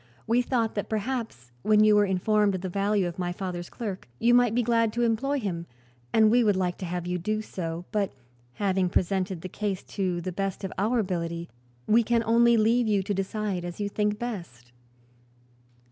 We thought that perhaps, when you were informed of the value of my father's clerk, you might be glad to employ him, and we would like to have you do so; but having presented the case to the best of our ability we can only leave you to decide as you think best."